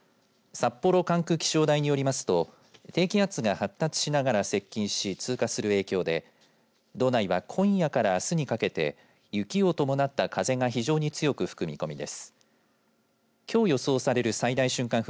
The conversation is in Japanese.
札幌管区気象台によりますと低気圧が発達しながら接近し通過する影響で道内は、今夜からあすにかけて雪を伴った風が非常に強く吹く見込みです。